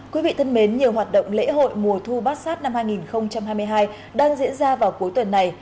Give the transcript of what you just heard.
quý vị thân mến nhiều hoạt động lễ hội mùa thu bát sát năm hai nghìn hai mươi hai đang diễn ra vào cuối tuần này